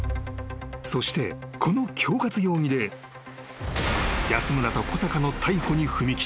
［そしてこの恐喝容疑で安村と小坂の逮捕に踏み切ったのだ］